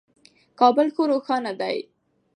کابل ښه روښانه دی.